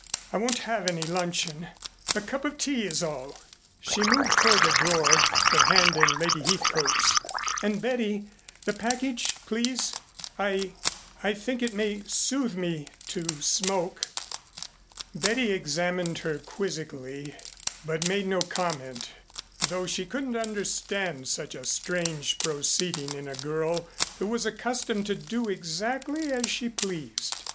I won't have any luncheon. A cup of tea is all." She moved toward the door, her hand in Lady Heathcote's. "And Betty the package, please I I think it may soothe me to smoke." Betty examined her quizzically but made no comment, though she couldn't understand such a strange proceeding in a girl who was accustomed to do exactly as she pleased.